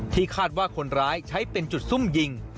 คาดว่าคนร้ายใช้เป็นจุดซุ่มยิง